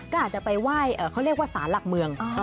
ก็อาจจะไปไหว้เขาเรียกว่าสารหลักเมือง